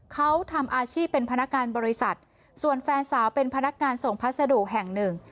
เขาทำอาชีพเป็นพนักงานบริษัทส่วนแฟนสาวเป็นพนักงานส่งพัสดุแห่งหนึ่ง